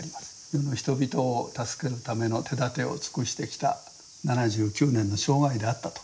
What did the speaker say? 「世の人々を助けるための手だてを尽くしてきた７９年の生涯であった」と。